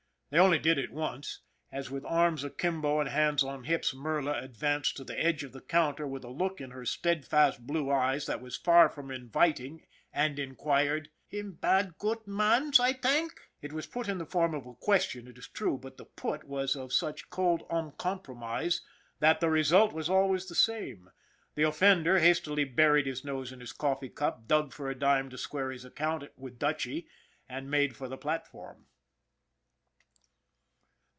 They only did it once, as with arms akimbo and hands on hips Merla advanced to the edge of the counter with a look in her steadfast, blue eyes, that was far from inviting, and inquired :" Him ban goot mans, I tank ?" It was put in the form of a question, it is true, but the " put " was of such cold uncompromise that the result was always the same. The offender hastily buried his nose in his coffee cup, dug for a dime to square his account with Dutchy and made for the platform.